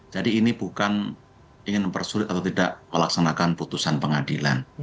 jadi ini bukan ingin mempersulit atau tidak melaksanakan putusan pengadilan